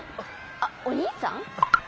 あっおにいさん？